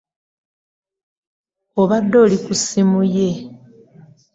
Abadde ali ku ssimu ye.